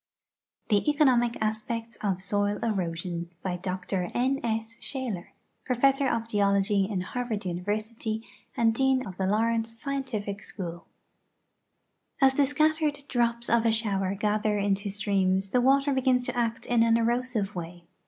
THE ECONOMIC ASPECTS OF SOIL EROSION By Du X. S. Shalkr, Professor of Geology in Harvard University and Dean of (he Laurence Scimtific School II As the scattered drops of a shower gather into streams the water begins to act in an erosive way.